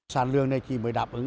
sản lượng này thì mới đáp ứng